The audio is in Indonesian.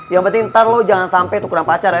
yang penting ntar lo jangan sampai itu kurang pacar ya